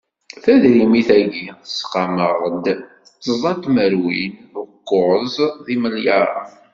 Tadrimit-agi tesqam-aɣ-d tẓa tmerwin d ukkuẓ n yimelyaṛen.